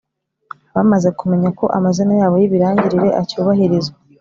bamaze kumenya ko amazina yabo y’ibirangirire acyubahirizwa,